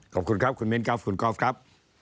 ขอบคุณครับคุณมิ้นครับคุณกอล์ฟครับ